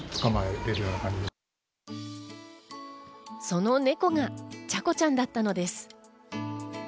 そのネコがチャコちゃんだったのです。